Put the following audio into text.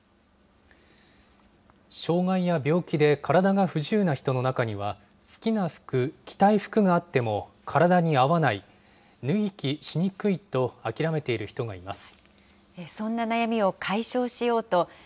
障害や病気で体が不自由な人の中には、好きな服、着たい服があっても体に合わない、脱ぎ着しにくいと諦めている人がいます。